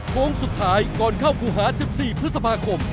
โครงสุดท้ายก่อนเข้าภูหาสิบสี่พฤษภาคม